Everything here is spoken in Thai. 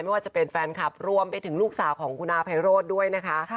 ไม่ว่าจะเป็นแฟนคลับรวมไปถึงลูกสาวของคุณอาภัยโรธด้วยนะคะ